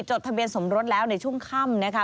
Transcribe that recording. จดทะเบียนสมรสแล้วในช่วงค่ำนะคะ